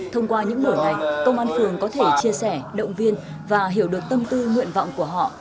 thông qua những buổi này công an phường có thể chia sẻ động viên và hiểu được tâm tư nguyện vọng của họ